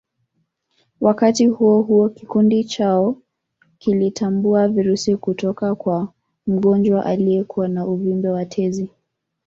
Wakati huohuo kikundi chao kilitambua virusi kutoka kwa mgonjwa aliyekuwa na uvimbe wa tezi